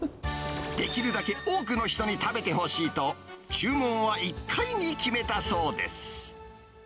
できるだけ多くの人に食べてほしいと、注文は１回に決めたそうです。